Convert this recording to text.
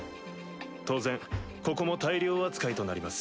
当然ここも退寮扱いとなります。